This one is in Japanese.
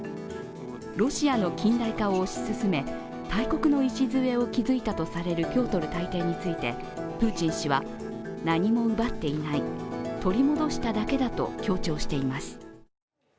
ロシアの近代化を推し進め大国の礎を築いたとされるピョートル大帝についてプーチン氏は、何も奪っていない、取り戻しただけだと強調しています。